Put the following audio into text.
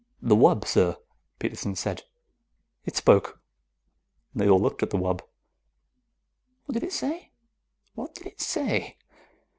"The wub, sir," Peterson said. "It spoke." They all looked at the wub. "What did it say? What did it say?"